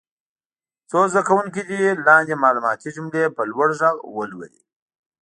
څو زده کوونکي دې لاندې معلوماتي جملې په لوړ غږ ولولي.